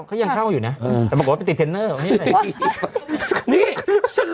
เขายังเข้าอยู่น่ะเออแต่บอกว่าเป็นติดเทนเนอร์ของนี่ไหมนี่